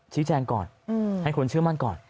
ชี้แจงก่อนให้คนเชื่อมั่นก่อน